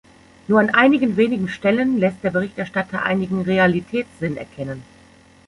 Nur an einigen wenigen Stellen lässt der Berichterstatter einigen Realitätssinn erkennen.